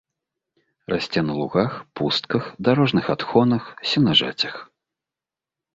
Расце на лугах, пустках, дарожных адхонах, сенажацях.